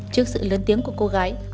trước sự lớn tiếng của cô gái